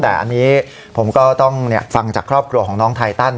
แต่อันนี้ผมก็ต้องฟังจากครอบครัวของน้องไทตัน